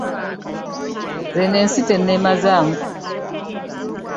Nze eno ensi tenneemazaamu.